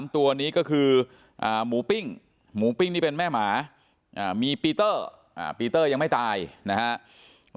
ตัวนี้ก็คือหมูปิ้งหมูปิ้งนี่เป็นแม่หมามีปีเตอร์ปีเตอร์ยังไม่ตายนะครับ